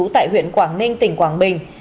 tại huyện quảng ninh tỉnh quảng bình